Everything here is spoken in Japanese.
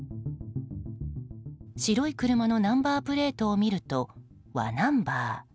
白い車のナンバープレートを見ると「わ」ナンバー。